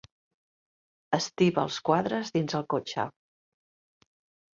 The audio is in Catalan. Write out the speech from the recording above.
Estiba els quadres dins el cotxe.